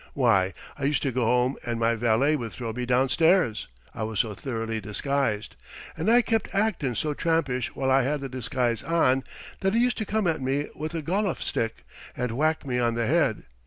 Why, I used to go home and my valet would throw me downstairs. I was so thoroughly disguised, and I kept actin' so trampish while I had the disguise on, that he used to come at me with a golluf stick and whack me on the head.